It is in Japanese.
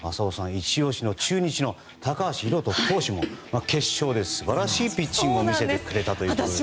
イチ押しの中日の高橋宏斗投手も決勝で素晴らしいピッチングを見せてくれました。